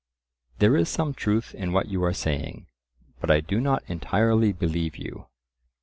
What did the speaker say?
"There is some truth in what you are saying, but I do not entirely believe you."